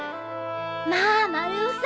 まあ丸尾さん